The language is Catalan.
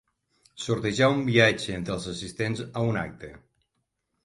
Sortejar un viatge entre els assistents a un acte.